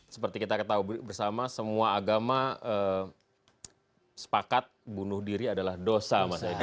jadi kita ketahui bersama semua agama sepakat bunuh diri adalah dosa